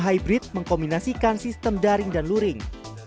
hybrid mengkombinasikan sistem daring dan luring